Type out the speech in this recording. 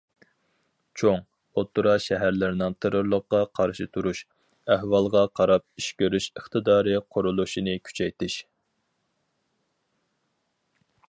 چوڭ، ئوتتۇرا شەھەرلەرنىڭ تېررورلۇققا قارشى تۇرۇش، ئەھۋالغا قاراپ ئىش كۆرۈش ئىقتىدارى قۇرۇلۇشىنى كۈچەيتىش.